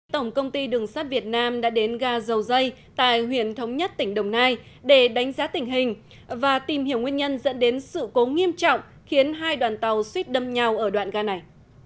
tổng công ty đường sắt việt nam đã đến ga dầu dây tại huyện thống nhất tỉnh đồng nai để đánh giá tình hình và tìm hiểu nguyên nhân dẫn đến sự cố nghiêm trọng khiến hai đoàn tàu suýt đâm nhau ở đoạn ga này